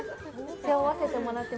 背負わせてもらっても。